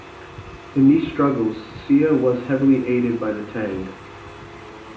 In these struggles, Silla was heavily aided by the Tang.